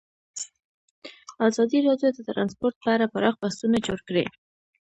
ازادي راډیو د ترانسپورټ په اړه پراخ بحثونه جوړ کړي.